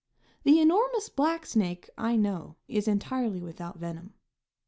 The enormous black snake, I know, is entirely without venom.